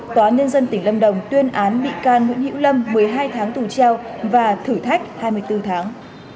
tòa nhân dân tỉnh lâm đồng tuyên án bị can nguyễn hữu lâm một mươi hai tháng tù treo và thử thách hai mươi bốn tháng